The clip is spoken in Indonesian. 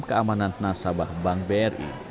keamanan nasabah bank bri